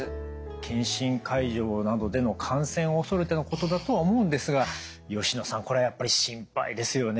検診会場などでの感染を恐れてのことだとは思うんですが吉野さんこれはやっぱり心配ですよね。